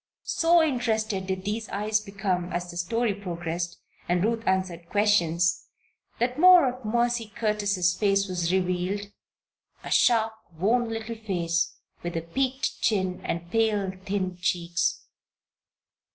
So interested did these eyes become as the story progressed, and Ruth answered questions, that more of Mercy Curtis' face was revealed a sharp, worn little face, with a peaked chin and pale, thin cheeks.